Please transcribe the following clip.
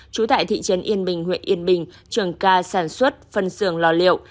trú tại thị trấn yên bình huyện yên bình trường ca sản xuất phân xưởng lò liệu